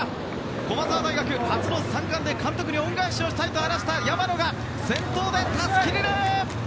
駒澤大学、初の３冠で監督に恩返しをしたいと話した山野が先頭でたすきリレー！